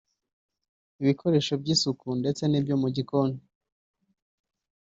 ibikoresho by’isuku ndetse n’ibyo mu gikoni